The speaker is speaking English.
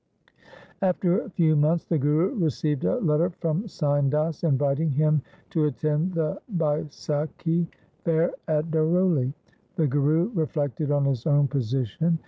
After a few months the Guru received a letter from Sain Das inviting him to attend the Baisakhi fair at Daroli. The Guru reflected on his own position.